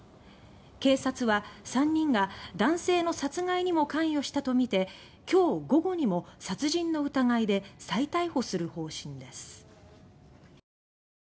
警察は、３人が男性の殺害にも関与したとみて今日午後にも殺人の疑いで再逮捕する方針です。